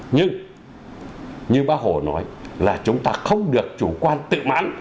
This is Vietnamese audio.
nhưng như bác hồ nói là chúng ta không được chủ quan tự mãn